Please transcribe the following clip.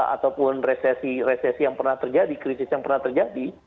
ataupun resesi resesi yang pernah terjadi krisis yang pernah terjadi